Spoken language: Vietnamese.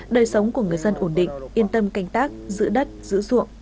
đời sống của người dân ổn định yên tâm canh tác giữ đất giữ ruộng